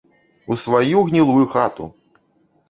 У сваю гнілую хату!